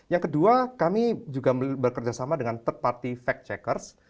yang kedua kami juga bekerjasama dengan third party fact checkers